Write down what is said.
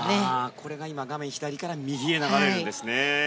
これが画面左から右へ流れるんですね。